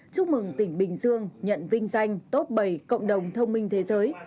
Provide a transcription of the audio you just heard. chúc mừng tỉnh bình dương nhận vinh danh top bảy cộng đồng thông minh thế giới